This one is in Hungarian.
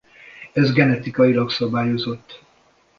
Ez genetikailag szabályozott.